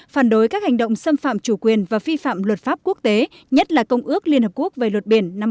phản đối các hành động xâm phạm chủ quyền và vi phạm luật pháp quốc tế nhất là công ước liên hợp quốc về luật biển năm một nghìn chín trăm hai